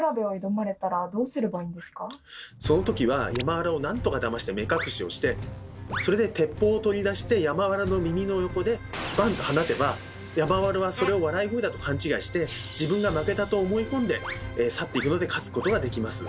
そのときは山童をなんとかだまして目隠しをしてそれで鉄砲を取り出して山童の耳の横でバン！と放てば山童はそれを笑い声だと勘違いして自分が負けたと思い込んで去っていくので勝つことができます。